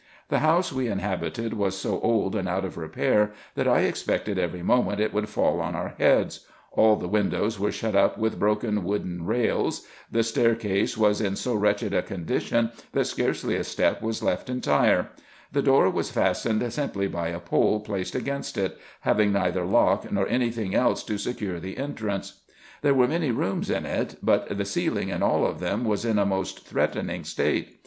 The house we inhabited was so old and out of repair, that I expected every moment it would fall on our heads; all the windows were shut up with broken wooden rails ; the stair case was in so wretched a condition, that scarcely a step was left entire ; the door was fastened simply by a pole placed against it, having neither lock nor any thing else to secure the entrance. There were many rooms in it, but the ceiling in all of them was in a most threatening state.